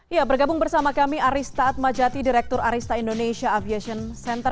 ya bergabung bersama kami arista atmajati direktur arista indonesia aviation center